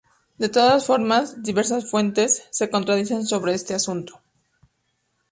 De todas formas, diversas fuentes se contradicen sobre este asunto.